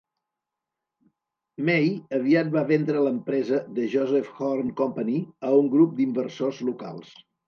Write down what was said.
May aviat va vendre l"empresa The Joseph Horne Company a un grup d"inversors locals.